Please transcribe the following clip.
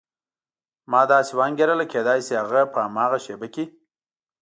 ما داسې وانګېرله کېدای شي هغه په هماغه شېبه کې.